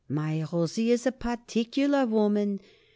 "My Rosie is a particular woman.